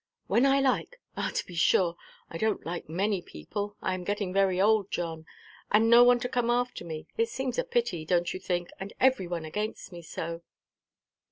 "When I like—ah, to be sure! I donʼt like many people. I am getting very old, John. And no one to come after me. It seems a pity, donʼt you think, and every one against me so?"